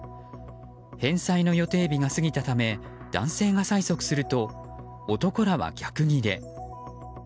返済の予定日が過ぎたため男性が催促すると男らは逆ギレ。